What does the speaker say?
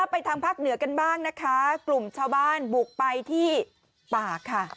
ไปทางภาคเหนือกันบ้างนะคะกลุ่มชาวบ้านบุกไปที่ป่าค่ะ